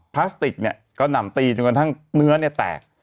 พลาสติกเนี่ยก็หนำตีจนกระทั่งเนื้อเนี่ยแตก